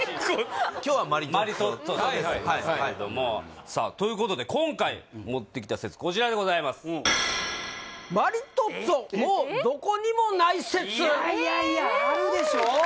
今日はマリトッツォですねさあということで今回持ってきた説こちらでございますいやいやいやあるでしょ？